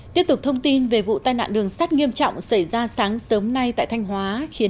tiếp tục thông tin về vụ tai nạn đường sắt nghiêm trọng xảy ra sáng sớm nay tại thanh hóa khiến